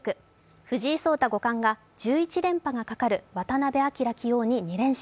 藤井聡太五冠が１１連覇がかかる渡辺明棋王に２連勝。